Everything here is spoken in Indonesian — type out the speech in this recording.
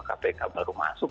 kpk baru masuk